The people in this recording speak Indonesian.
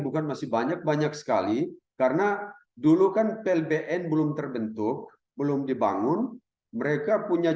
bukan masih banyak banyak sekali karena dulu kan plbn belum terbentuk belum dibangun mereka punya